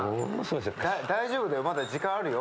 大丈夫だよまだ時間あるよ。